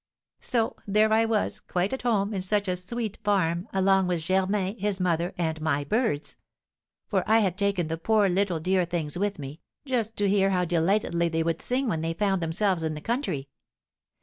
"So there I was quite at home, in such a sweet farm, along with Germain, his mother, and my birds; for I had taken the poor, little, dear things with me, just to hear how delightedly they would sing when they found themselves in the country.